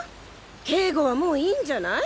警護はもういいんじゃない？